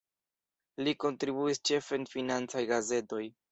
Li kontribuis ĉefe en financaj gazetoj.